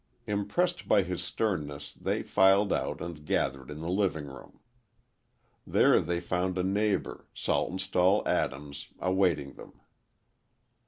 Impressed by his sternness, they filed out and gathered in the living room. There they found a neighbor, Saltonstall Adams, awaiting them.